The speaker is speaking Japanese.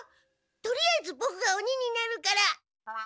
とりあえずボクがおにになるから。